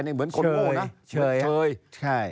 แชร์นี่เหมือนคนโม่นะเฉย